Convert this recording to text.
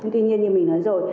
tuy nhiên như mình nói rồi